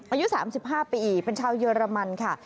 อายุสามสิบห้าปีเป็นชาวเยอรมันค่ะ